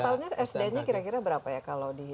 totalnya sdn nya kira kira berapa ya kalau di